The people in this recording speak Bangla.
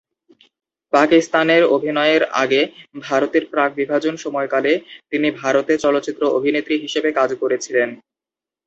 পাকিস্তানে অভিনয়ের আগে ভারতের প্রাক-বিভাজন সময়কালে তিনি ভারতে চলচ্চিত্র অভিনেত্রী হিসেবে কাজ করেছিলেন।